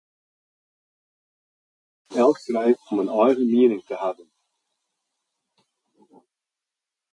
It stiet elk frij om in eigen miening te hawwen.